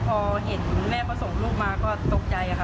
พอเห็นคุณแม่เขาส่งลูกมาก็ตกใจค่ะ